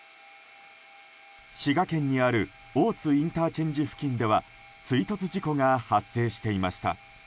滋賀県にある大津ＩＣ付近では追突事故が発生していました。